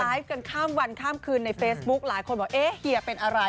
กันข้ามวันข้ามคืนในเฟซบุ๊คหลายคนบอกเอ๊ะเฮียเป็นอะไร